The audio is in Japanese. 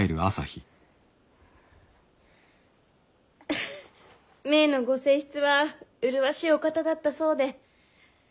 アハ前のご正室は麗しいお方だったそうで。